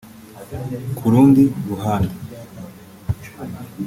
ku rundi ruhande